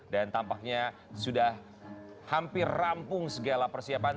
dan tampaknya sudah hampir rampung segala persiapan